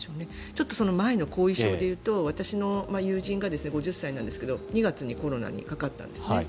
ちょっとその前の後遺症でいうと私の友人が５０歳なんですが、２月にコロナにかかったんですね。